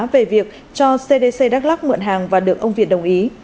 về việc cho cdc đắk lắc mượn hàng và được ông việt đồng ý